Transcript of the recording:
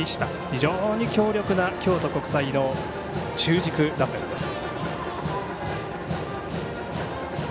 非常に強力な京都国際の中軸打線です。